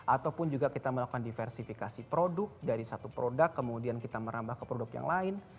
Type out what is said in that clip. ataupun juga kita melakukan diversifikasi produk dari satu produk kemudian kita merambah ke produk yang lain